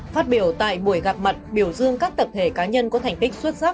phát biểu tại buổi gặp mặt biểu dương các tập thể cá nhân có thành tích xuất sắc